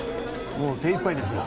もう手いっぱいですよ